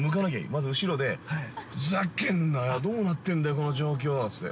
まず後ろでふざけんなよっ、どうなってんだよ、この状況つって。